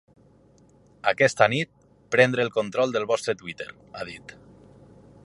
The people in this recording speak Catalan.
Aquesta nit, prendre el control del vostre Twitter, ha dit.